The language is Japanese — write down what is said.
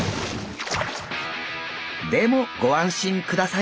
でもご安心ください！